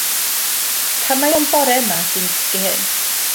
Pam mai ond bore yma ydw i'n dysgu hyn?